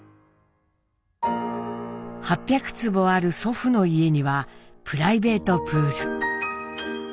８００坪ある祖父の家にはプライベートプール。